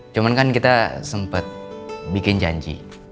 cuman kan kita sempat bikin janji